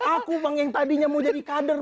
aku bang yang tadinya mau jadi kader